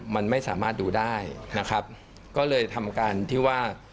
มันไม่สามารถดูได้นะครับก็เลยทำการที่ว่า